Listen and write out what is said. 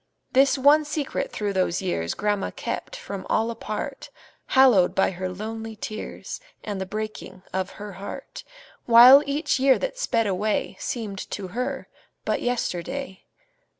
This one secret through those years Grandma kept from all apart, Hallowed by her lonely tears And the breaking of her heart; While each year that sped away Seemed to her but yesterday.